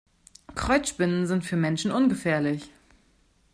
Kreuzspinnen sind für Menschen ungefährlich.